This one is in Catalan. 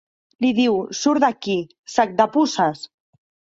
Li diu: surt d'aquí, sac de puces!